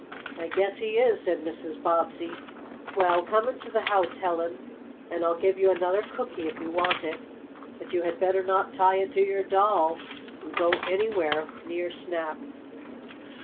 "I guess he is," said Mrs. Bobbsey. "Well, come into the house, Helen, and I'll give you another cookie if you want it. But you had better not tie it to your doll, and go anywhere near Snap."